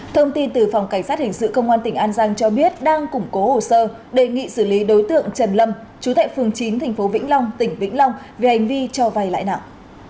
thông tin từ phòng cảnh sát hình sự công an tỉnh an giang cho biết đang củng cố hồ sơ đề nghị xử lý đối tượng trần lâm chú tại phường chín tp vĩnh long tỉnh vĩnh long về hành vi cho vay lãi nặng